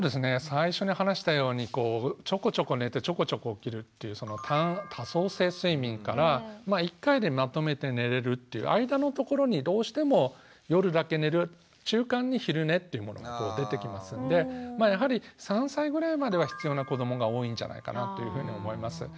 最初に話したようにこうちょこちょこ寝てちょこちょこ起きるという多相性睡眠から一回でまとめて寝れるという間のところにどうしても夜だけ寝る中間に昼寝というものが出てきますのでまあやはり３歳ぐらいまでは必要な子どもが多いんじゃないかなというふうに思います。